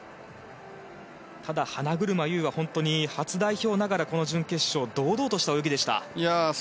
ただ、花車優は本当に初代表ながらこの準決勝堂々とした泳ぎでした。